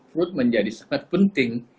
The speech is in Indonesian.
food menjadi sangat penting